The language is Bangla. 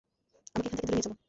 আমাকে এখান থেকে দূরে নিয়ে চলো।